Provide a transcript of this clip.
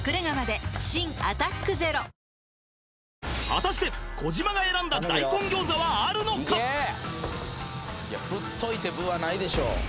果たして児嶋が選んだ大根餃子はあるのかいや振っといてブーはないでしょ